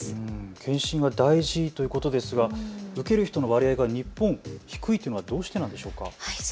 検診が大事ということですが受ける人の割合が日本、低いというのはどうしてなんでしょうか。